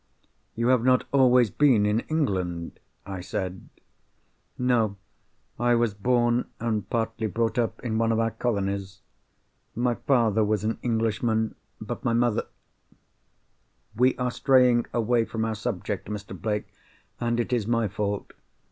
"You have not always been in England?" I said. "No. I was born, and partly brought up, in one of our colonies. My father was an Englishman; but my mother—We are straying away from our subject, Mr. Blake; and it is my fault.